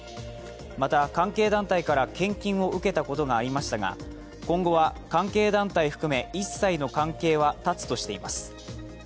また関係団体から献金を受けたことがありましたが今後は関係団体含め、一切の関係は断つとしています。